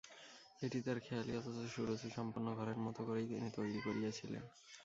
এটি তাঁর খেয়ালি অথচ সুরুচিসম্পন্ন ঘরের মতো করেই তিনি তৈরি করিয়েছিলেন।